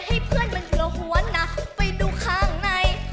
ให้เพื่อนมันเหลือหวนนะไปดูข้างใน